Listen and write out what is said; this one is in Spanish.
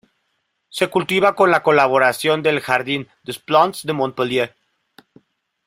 Se cultiva con la colaboración del Jardin des Plantes de Montpellier.